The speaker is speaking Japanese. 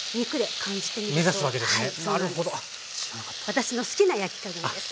私の好きな焼き加減です。